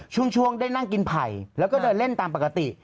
ช่วงได้นั่งกินไผ่แล้วก็เดินเล่นตามปกติ